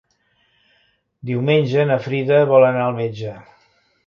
Diumenge na Frida vol anar al metge.